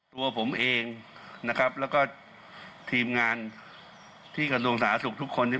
ตัวผมเองนะครับแล้วก็ทีมงานที่กันลงสาธารณสุขทุกคน